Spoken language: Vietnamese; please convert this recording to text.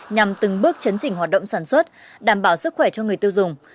nhằm từng bước chấn chỉnh hoạt động sản xuất đảm bảo sức khỏe cho người tiêu dùng